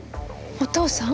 お父さん？